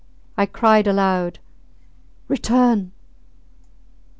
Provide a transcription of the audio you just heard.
. I cried aloud Return!